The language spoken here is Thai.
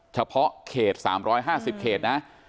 เฉพาะเขต๓๕๐เขตนะ